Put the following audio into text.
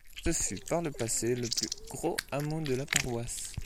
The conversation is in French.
Ce fut par le passé le plus gros hameau de la paroisse.